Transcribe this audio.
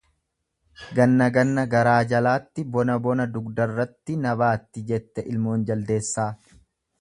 Ganna ganna garaa jalaatti bona bona dugdarratti na baatti jette ilmoon jaldeessaa.